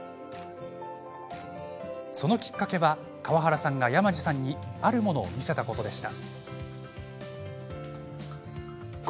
そのきっかけは川原さんが、山地さんにあるものを見せたことでした。